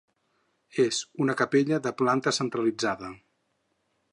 És una capella de planta centralitzada.